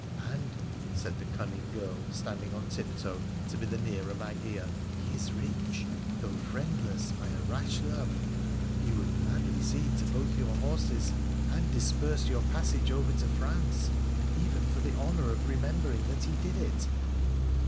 And,' said the cunning girl, standing on tiptoe to be the nearer to my ear, ' he is rich, though friendless by a rash love — he will gladly see to both your horses and disburse your passage over to France, even for the honour of remembering that he did it.'